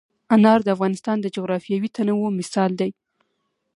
انار د افغانستان د جغرافیوي تنوع مثال دی.